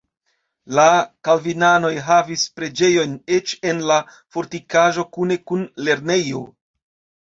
La kalvinanoj havis preĝejon eĉ en la fortikaĵo kune kun lernejo.